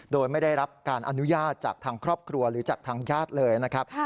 โดยไม่ได้รับการอนุญาตจากทางครอบครัวหรือจากทางญาติเลยนะครับ